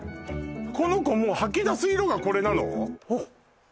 この子もう吐き出す色がこれなの？